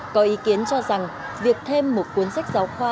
có ý kiến cho rằng việc thêm một cuốn sách giáo khoa